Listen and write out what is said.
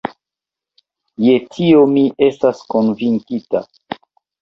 Je tio mi estas konvinkita.